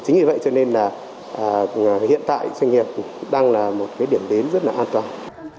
chính vì vậy cho nên hiện tại doanh nghiệp đang là một điểm đến rất an toàn